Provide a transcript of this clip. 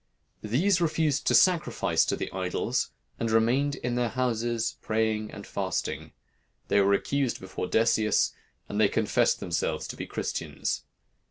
These refused to sacrifice to the idols, and remained in their houses praying and fasting. They were accused before Decius, and they confessed themselves to be Christians.